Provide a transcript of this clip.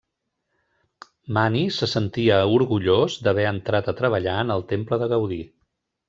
Mani se sentia orgullós d'haver entrat a treballar en el temple de Gaudí.